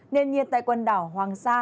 nên nhiệt tại quần đảo hoàng sa